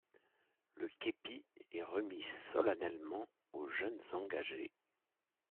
Le képi est remis solennellement aux jeunes engagés.